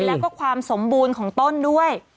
แล้วก็ความสมบูรณ์ของต้นด้วย